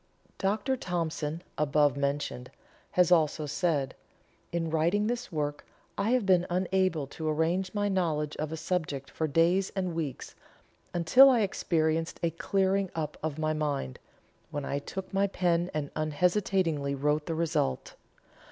Dr. Thompson, above mentioned, has also said: "In writing this work I have been unable to arrange my knowledge of a subject for days and weeks, until I experienced a clearing up of my mind, when I took my pen and unhesitatingly wrote the result.